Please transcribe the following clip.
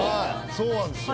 そうなんですよ。